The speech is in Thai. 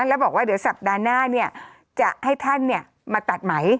แล้วบอกว่าเดี๋ยวสัปดาห์หน้าจะให้ท่านมาตัดไหม